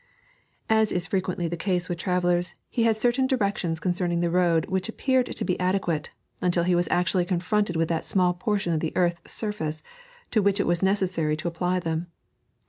As is frequently the case with travellers, he had certain directions concerning the road which appeared to be adequate until he was actually confronted with that small portion of the earth's surface to which it was necessary to apply them.